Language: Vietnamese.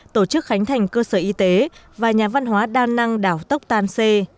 tổ chức khánh thành cơ sở y tế và nhà văn hóa đa năng đảo tóc tàn xê